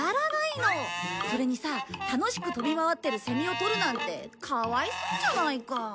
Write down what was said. それにさ楽しく飛び回ってるセミを捕るなんてかわいそうじゃないか。